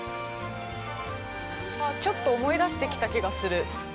あっ、ちょっと思い出してきた気がする。